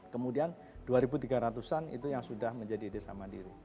kemudian dua ribu tiga ratus an itu yang sudah menjadi desa mandiri